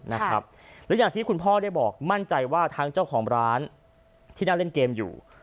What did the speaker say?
หรืออย่างที่คุณพ่อได้บอกมั่นใจว่าทั้งเจ้าของร้านที่นั่งเล่นเกมอยู่